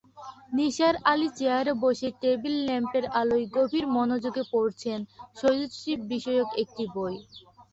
নিসার আলি চেয়ারে বসে টেবিল-ল্যাম্পের আলোয় গভীর মনযোগে পড়ছেন সরীসৃপ-বিষয়ক একটি বই।